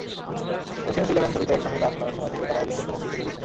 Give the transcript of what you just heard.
Ocean's Eleven ছবিতে একসঙ্গে কাজ করার সময় থেকেই তাঁরা অবিচ্ছেদ্য বন্ধুত্বে জড়িয়েছেন।